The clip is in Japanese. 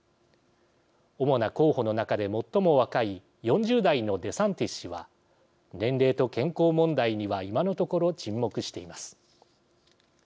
主な候補の中で最も若い４０代のデサンティス氏は年齢と健康問題には今のところ沈黙しています。